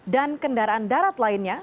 dan kendaraan darat lainnya